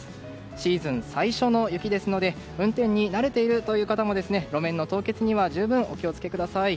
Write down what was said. シーズン最初の雪ですので運転に慣れているという方も路面の凍結には十分お気を付けください。